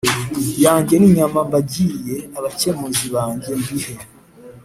Yanjye n inyama mbagiye abakemuzi banjye mbihe